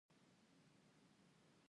له پیرودونکي سره صادق او روښانه اوسې.